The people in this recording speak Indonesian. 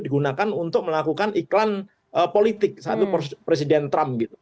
digunakan untuk melakukan iklan politik satu presiden trump gitu